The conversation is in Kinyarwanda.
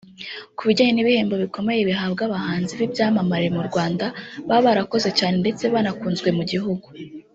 Ku bijyanye n’ibihembo bikomeye bihabwa abahanzi b’ibyamamare mu Rwanda baba barakoze cyane ndetse banakunzwe mu gihugu